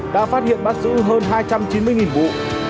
đã phát hiện bắt giữ hơn hai trăm chín mươi vụ